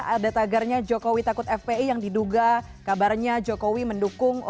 ada tagarnya jokowi takut fpi yang diduga kabarnya jokowi mendukung